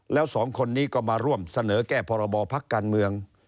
แล้วสองคนนี้ก็มาร่วมเสนอแก้พรบพักการเมือง